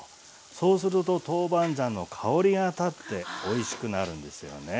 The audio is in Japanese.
そうすると豆板醤の香りが立っておいしくなるんですよね。